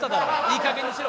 いいかげんにしろ。